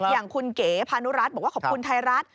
อย่างคุณเก๋พานุรัติบอกว่าขอบคุณไทยรัฐ